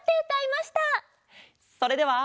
それでは。